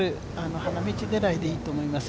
花道狙いでいいと思います